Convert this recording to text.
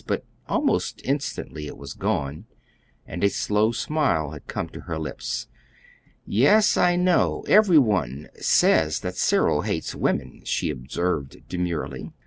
But almost instantly it was gone, and a slow smile had come to her lips. "Yes, I know. Every one says that Cyril hates women," she observed demurely.